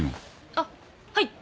あっはい。